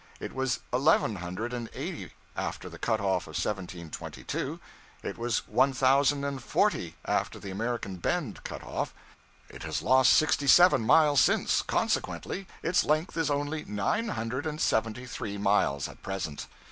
It was eleven hundred and eighty after the cut off of 1722. It was one thousand and forty after the American Bend cut off. It has lost sixty seven miles since. Consequently its length is only nine hundred and seventy three miles at present.